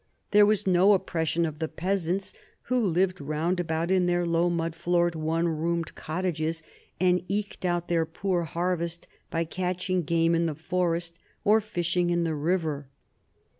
There was no oppression of the peasants, who lived round about in their low, mud floored, one roomed cottages, and eked out their poor harvest by catching game in the forest or fishing in the river.